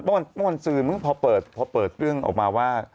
วันซืนเพอร์ตป์อีกเรื่องออกมาว่า